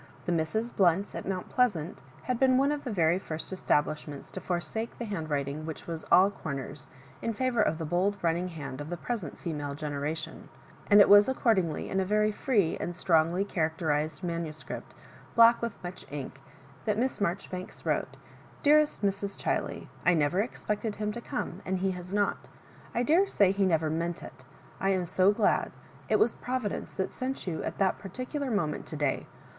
The Misses Blount's at Mount Pleasant had been one of the veiy first establishments to forsake the hand writing which was all comers, in &vour of the bold running hand of the present female genera tion ; and it was accordingly in a very free and strongly characterised manuscript, black with much ink, that Miss Marjoribanks wrote — "Dearest Mrs. Chtlet, — ^I never expected him to come, and he has not. I daresay he never meant it. I am so glad. It was Providence that sent you at that particular moment to day.